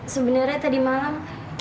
sebenernya tadi malam